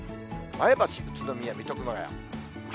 前橋、宇都宮、水戸、熊谷。